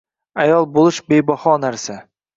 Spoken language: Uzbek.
Ayol boʻlish bebaho narsa